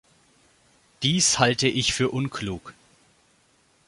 Dies halte ich für unklug.